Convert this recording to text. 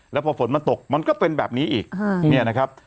แล้วพอฝนมันตกมันก็เป็นแบบนี้อีกเนี่ยนะครับ